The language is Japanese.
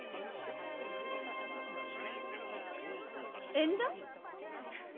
縁談？